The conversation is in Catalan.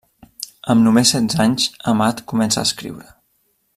Amb només setze anys, Amat comença a escriure.